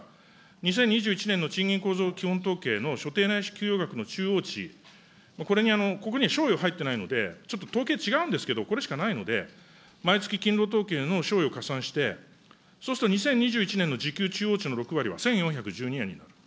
２０２１年の賃金向上基本統計の所定年初給与額の中央値、これにここには賞与が入っていないので、ちょっと統計違うんですけど、これしかないので、毎月勤労統計の賞与を加算して、そうすると２０２１年の時給中央値の６割は１４１２円に。